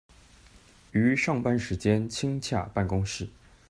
於上班時間親洽辦公室